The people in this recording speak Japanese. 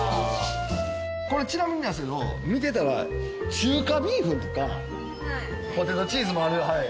これちなみになんですけど見てたら中華ビーフンとかポテトチーズもある。